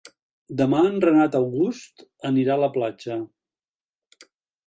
Demà en Renat August anirà a la platja.